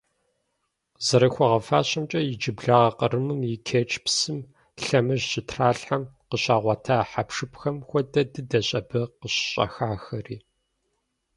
ЗэрыхуагъэфащэмкӀэ, иджыблагъэ Кърымым и Керчь псым лъэмыж щытралъхьэм къыщагъуэта хьэпшыпхэм хуэдэ дыдэщ абы къыщыщӀахахэри.